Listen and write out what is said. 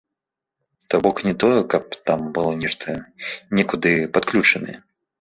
То бок, не тое, каб там было нешта некуды падключанае.